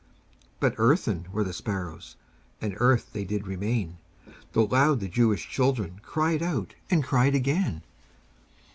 But earthen were the sparrows, And earth they did remain, Though loud the Jewish children Cried out, and cried again.